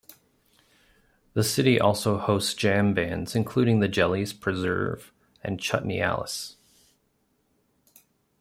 The city also hosts jam bands, including the Jellies, Preserve, and Chutney Alice.